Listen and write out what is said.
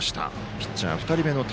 ピッチャー、２人目の平。